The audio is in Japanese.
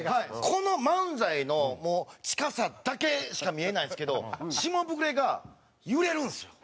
この漫才の近さだけしか見えないんですけどしもぶくれが揺れるんですよ。